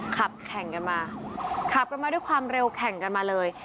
ขับแข่งกันมาขับกันมาด้วยความเร็วแข่งกันมาเลย